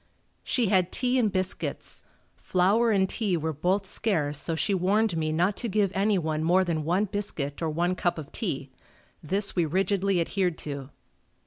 She had tea and biscuits. Flour and tea were both scarce so she warned me not to give anyone more than one biscuit or one cup of tea. This we rigidly adhered to.